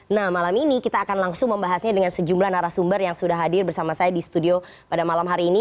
nah malam ini kita akan langsung membahasnya dengan sejumlah narasumber yang sudah hadir bersama saya di studio pada malam hari ini